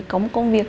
có một công việc